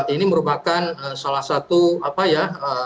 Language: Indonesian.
ini merupakan salah satu apa ya